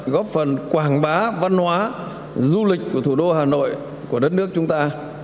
góp phần quảng bá văn hóa du lịch của thủ đô hà nội của đất nước chúng ta